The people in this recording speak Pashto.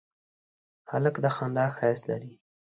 هلک د خندا ښایست لري.